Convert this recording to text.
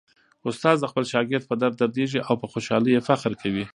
استاد د خپل شاګرد په درد دردیږي او په خوشالۍ یې فخر کوي.